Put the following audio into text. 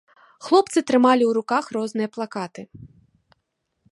Хлопцы трымалі ў руках розныя плакаты.